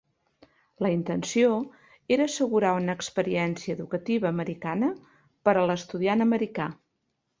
La intenció era assegurar una experiència educativa americana per a l'estudiant americà.